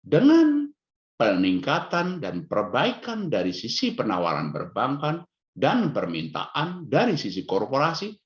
dengan peningkatan dan perbaikan dari sisi penawaran perbankan dan permintaan dari sisi korporasi